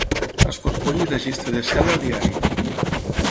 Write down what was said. Escorcoll i registre de cel·la diari.